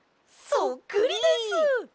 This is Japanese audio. そっくりです！